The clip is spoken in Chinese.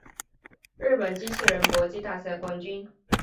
日本机器人搏击大赛冠军